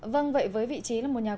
vâng vậy với vị trí là một nhà quốc gia